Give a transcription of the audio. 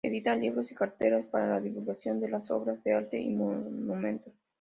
Edita libros y carteles para la divulgación de las obras de arte y monumentos.